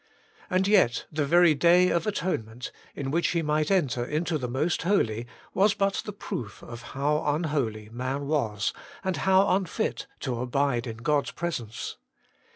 And yet the very Day of Atonement, in which he might enter into the Most Holy, was but the proof of how unholy man was, and how unfit to abide in God's Presence.